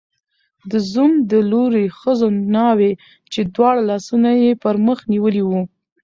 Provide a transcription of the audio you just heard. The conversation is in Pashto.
د زوم د لوري ښځو ناوې، چې دواړه لاسونه یې پر مخ نیولي وو